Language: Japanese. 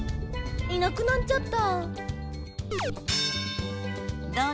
いなくなっちゃった。